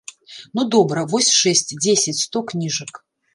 Ну, добра, вось шэсць, дзесяць, сто кніжак.